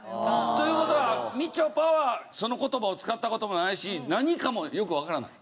という事はみちょぱはその言葉を使った事もないし何かもよくわからない。